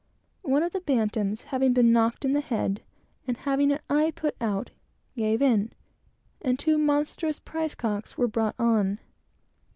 One of the bantams having been knocked in the head, and had an eye put out, he gave in, and two monstrous prize cocks were brought on.